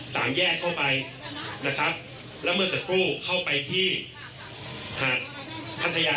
สามแยกเข้าไปนะครับแล้วเมื่อสักครู่เข้าไปที่หาดพัทยา